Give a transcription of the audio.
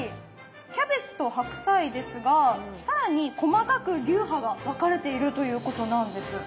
キャベツと白菜ですが更に細かく流派が分かれているということなんです。